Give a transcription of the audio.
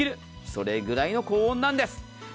それぐらいの高温なんです。